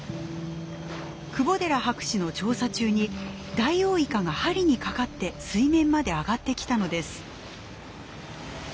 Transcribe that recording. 窪寺博士の調査中にダイオウイカが針にかかって水面まで上がってきたのです。